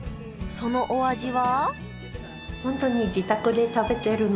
そのお味は？